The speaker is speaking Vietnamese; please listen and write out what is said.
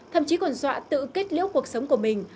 thậm chí còn dọa tự kết liễu cuộc sống của mình